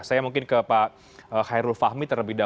saya mungkin ke pak hairul fahmi terlebih dahulu